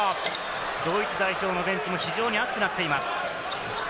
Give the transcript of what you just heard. ドイツ代表のベンチも非常に熱くなっています。